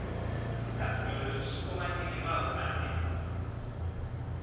スタッフによる出航前点検が行われています。